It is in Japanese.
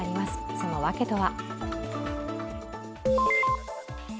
その訳とは？